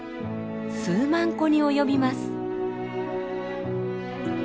数万個に及びます。